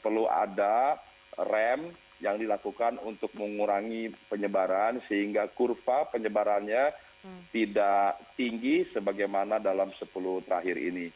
perlu ada rem yang dilakukan untuk mengurangi penyebaran sehingga kurva penyebarannya tidak tinggi sebagaimana dalam sepuluh terakhir ini